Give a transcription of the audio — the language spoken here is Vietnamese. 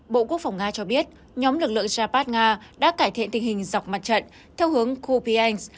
bộ quốc phòng nga cho biết nhóm lực lượng japad nga đã cải thiện tình hình dọc mặt trận theo hướng kopein